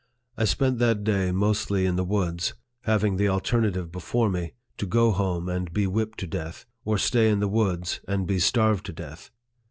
I spent that day mostly in the woods, having the alternative before me, to go home and be whipped to death, or stay in the woods and be starved to death.